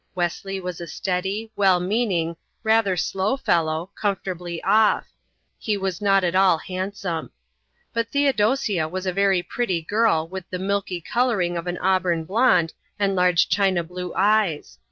Wesley was a steady, well meaning, rather slow fellow, comfortably off. He was not at all handsome. But Theodosia was a very pretty girl with the milky colouring of an auburn blonde and large china blue eyes.